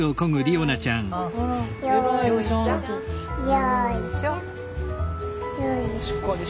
よいしょ。